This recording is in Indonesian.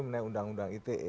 menaik undang undang ite